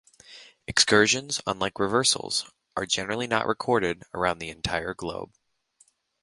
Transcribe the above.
Excursions, unlike reversals, are generally not recorded around the entire globe.